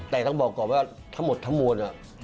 แต่ต้องบอกก่อนว่าทั้งหมดทั้งมวล